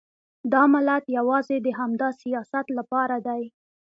دا ملت یوازې د همدا سیاست لپاره دی.